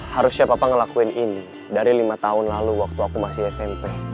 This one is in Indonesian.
harusnya papa ngelakuin ini dari lima tahun lalu waktu aku masih smp